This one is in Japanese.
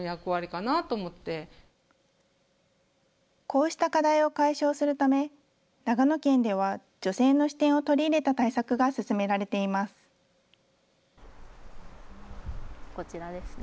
こうした課題を解消するため、長野県では女性の視点を取り入れた対策が進められています。